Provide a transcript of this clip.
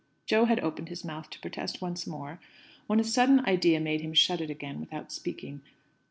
Jo had opened his mouth to protest once more, when a sudden idea made him shut it again without speaking.